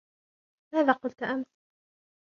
ماذا قلت أمس؟